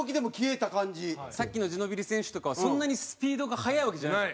さっきのジノビリ選手とかはそんなにスピードが速いわけじゃない。